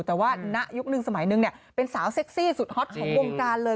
แต่ว่าณยุคนึงสมัยหนึ่งเป็นสาวเซ็กซี่สุดฮอตของวงการเลย